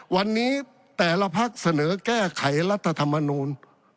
วันนี้แต่ละพักเสนอแก้ไขรัฐธรรมนูล